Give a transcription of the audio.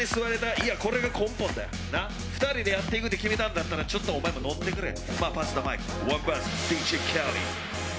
いや、これが根本だよ２人でやっていくって決めたんだったらちょっとお前ものってくれよ。